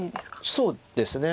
そうですね。